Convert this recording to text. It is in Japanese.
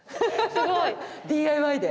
すごいＤＩＹで！？